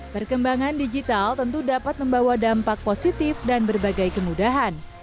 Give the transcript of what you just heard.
perkembangan digital tentu dapat membawa dampak positif dan berbagai kemudahan